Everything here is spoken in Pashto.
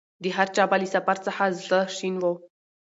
د هرچا به له سفر څخه زړه شین وو